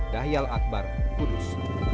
dahyal akbar kudus